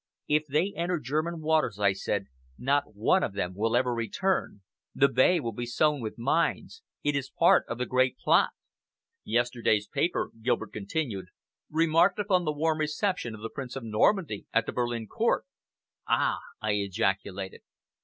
"If they enter German waters," I said, "not one of them will ever return. The bay will be sown with mines. It is part of the Great Plot." "Yesterday's paper," Gilbert continued, "remarked upon the warm reception of the Prince of Normandy at the Berlin Court!" "Ah!" I ejaculated.